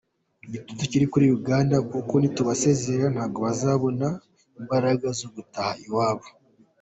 Igitutu kiri kuri Uganda kuko nitubasezerera ntabwo bazabona imbaraga zo gutaha iwabo”.